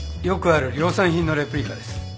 よくある量産品のレプリカです。